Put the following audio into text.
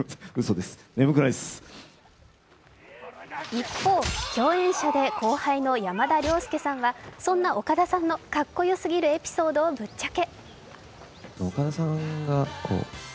一方、共演者で後輩の山田涼介さんはそんな岡田さんのかっこよすぎるエピソードをぶっちゃけ。